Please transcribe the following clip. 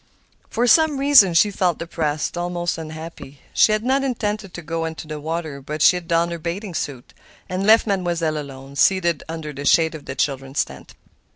For some reason she felt depressed, almost unhappy. She had not intended to go into the water; but she donned her bathing suit, and left Mademoiselle alone, seated under the shade of the children's tent.